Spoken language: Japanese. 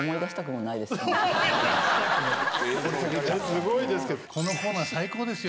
すごいですけど。